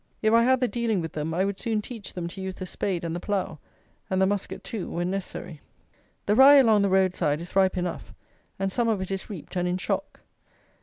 If I had the dealing with them, I would soon teach them to use the spade and the plough, and the musket too when necessary. The rye along the road side is ripe enough; and some of it is reaped and in shock.